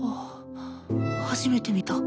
初めて見た。